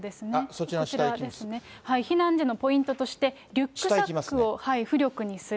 こちらですね、避難時のポイントとして、リュックサックを浮力にする。